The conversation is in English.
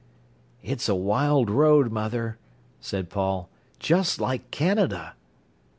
"It's a wild road, mother," said Paul. "Just like Canada."